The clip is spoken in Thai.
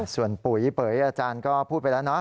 ส่วนปุ๋ยเป๋ยอาจารย์ก็พูดไปแล้วเนาะ